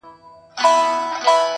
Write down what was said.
دا خو گرانې ستا د حُسن اور دی لمبې کوي